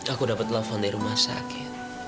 aku dapat telepon dari rumah sakit